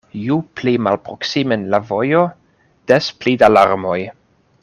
Ju pli malproksimen la vojo, des pli da larmoj.